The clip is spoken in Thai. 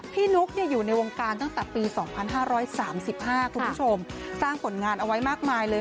นุ๊กอยู่ในวงการตั้งแต่ปี๒๕๓๕คุณผู้ชมสร้างผลงานเอาไว้มากมายเลย